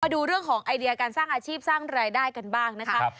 ดูเรื่องของไอเดียการสร้างอาชีพสร้างรายได้กันบ้างนะคะ